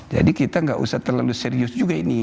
jadi kita nggak usah terlalu serius juga ini